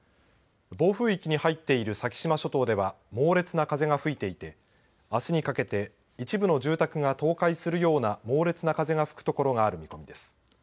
暴風域に入っている先島諸島では猛烈な風が吹いていてあすにかけて一部の住宅が倒壊するような猛烈な風が吹くところがある見込みです。